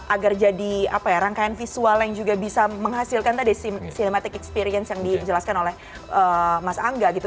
agar jadi apa ya rangkaian visual yang juga bisa menghasilkan tadi cinematic experience yang dijelaskan oleh mas angga gitu